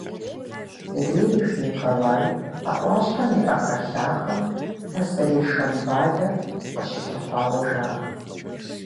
Рерих Николай а Ӏуащхьэм и Ӏэхэлъахэм пасэрей Шамбалэр къыщилъыхъуауэ жаӀэ.